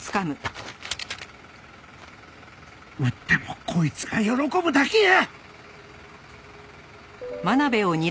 撃ってもこいつが喜ぶだけや！